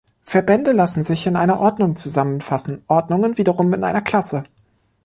Verbände lassen sich in einer Ordnung zusammenfassen, Ordnungen wiederum in einer Klasse.